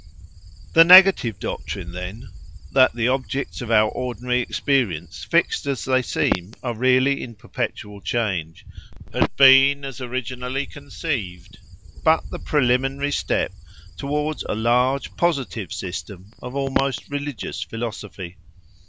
The negative doctrine, then, that the objects of our ordinary experience, fixed as they seem, are really in perpetual change, had been, as originally conceived, but the preliminary step towards a large positive system of almost religious philosophy.